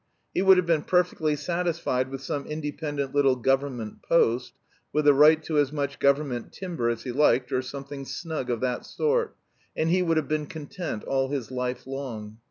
He would have been perfectly satisfied with some independent little government post, with the right to as much government timber as he liked, or something snug of that sort, and he would have been content all his life long.